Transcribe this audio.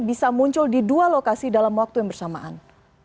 bisa muncul di dua lokasi dalam waktu yang bersamaan